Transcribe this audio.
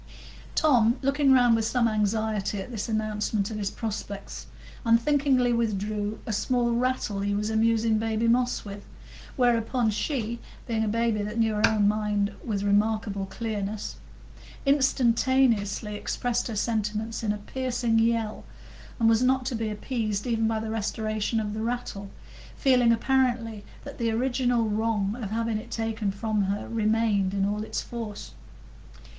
Tom, looking round with some anxiety at this announcement of his prospects, unthinkingly withdrew a small rattle he was amusing baby Moss with, whereupon she, being a baby that knew her own mind with remarkable clearness, instantaneously expressed her sentiments in a piercing yell, and was not to be appeased even by the restoration of the rattle, feeling apparently that the original wrong of having it taken from her remained in all its force.